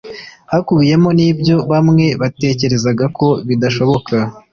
hakubiyemo n’ibyo bamwe batekerezaga ko bidashoboka.